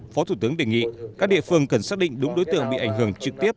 phó thủ tướng đề nghị các địa phương cần xác định đúng đối tượng bị ảnh hưởng trực tiếp